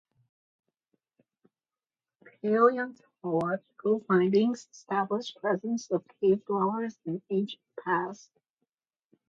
Paleontological findings established presence of cave dwellers in an ancient past.